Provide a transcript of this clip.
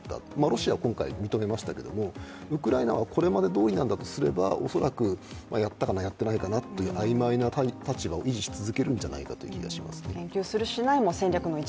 ロシアは今回認めましたけれども、ウクライナはこれまでどおりだとすればやったかな、やってないかなと曖昧な立場を維持し続けるんじゃないかと思いますね。